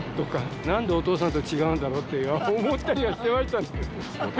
なんでお父さんと違うんだろう？って思ったりはしてました。